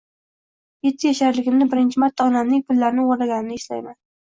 Yetti yasharligimda birinchi marta onamning pullarini o‘g‘irlaganimni eslayman.